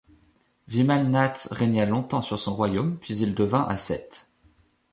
Vimalnath régna longtemps sur son royaume puis il devint ascète.